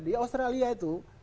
di australia itu